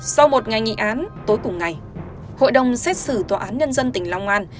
sau một ngày nghị án tối cùng ngày hội đồng xét xử tòa án nhân dân tỉnh long an